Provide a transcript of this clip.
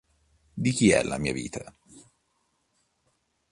Di chi è la mia vita?